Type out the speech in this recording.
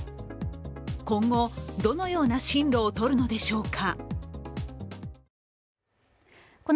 今後、どのような進路をとるのでしょうか。